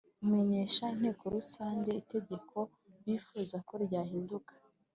imenyesha inteko rusange itegeko bifuza ko ryahinduka.